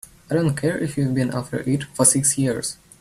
I don't care if you've been after it for six years!